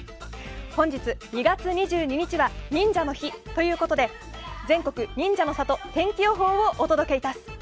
本日２月２２日は忍者の日ということで全国忍者の里天気予報をお届けいたす！